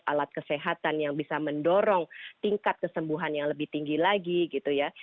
alat kesehatan yang bisa mendorong tingkat kesembuhan yang lebih tinggi lagi gitu ya